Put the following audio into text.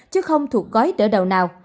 chứ không thuộc gói đỡ đầu nào